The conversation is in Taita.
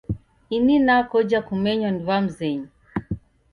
Ini nakoja kumenywa ni w'amzenyu